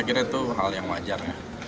itu hal yang wajar